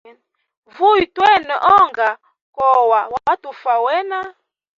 Vuya twene onga kowa watufa wena.